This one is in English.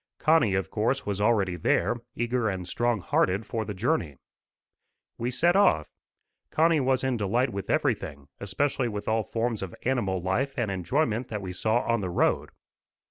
Connie, of course, was already there, eager and strong hearted for the journey. We set off. Connie was in delight with everything, especially with all forms of animal life and enjoyment that we saw on the road.